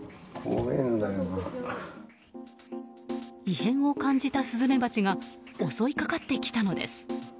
異変を感じたスズメバチが襲いかかってきたのです。